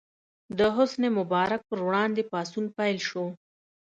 د حسن مبارک پر وړاندې پاڅون پیل شو.